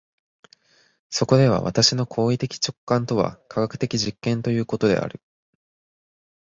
そこでは私の行為的直観とは科学的実験ということである。